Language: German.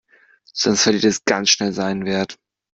Sonst verliert es ganz schnell seinen Wert.